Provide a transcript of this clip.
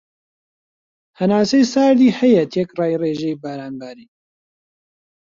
هەناسەی ساردی هەیە تێکرای رێژەی باران بارین